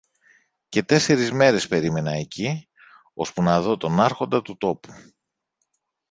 Και τέσσερεις μέρες περίμενα εκεί, ώσπου να δω τον Άρχοντα του τόπου.